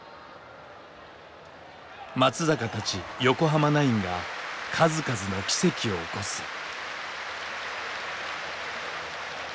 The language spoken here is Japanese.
松坂たち横浜ナインが数々の奇跡を起こす。